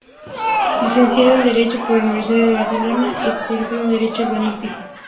Licenciado en Derecho por la Universidad de Barcelona y especializado en derecho urbanístico.